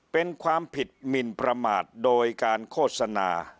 เป็นความผิดหมินประมาทโดยการโฆษณา